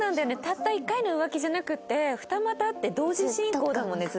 たった１回の浮気じゃなくて二股って同時進行だもんねずっとね。